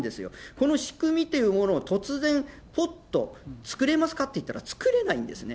この仕組みというものを、突然、ぽっと作れますかっていったら、作れないんですね。